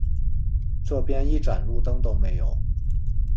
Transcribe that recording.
这边一盏路灯都没有